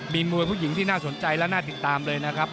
มีมวยผู้หญิงที่น่าสนใจและน่าติดตามเลยนะครับ